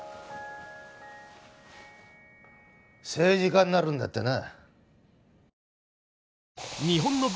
政治家になるんだってな。